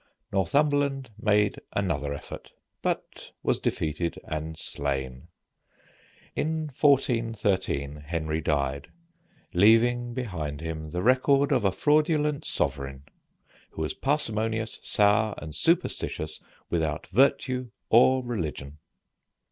Northumberland made another effort, but was defeated and slain. In 1413 Henry died, leaving behind him the record of a fraudulent sovereign who was parsimonious, sour, and superstitious, without virtue or religion.